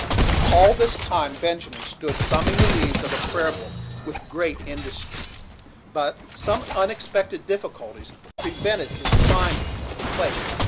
All this time Benjamin stood thumbing the leaves of a prayer book with great industry; but some unexpected difficulties prevented his finding the place.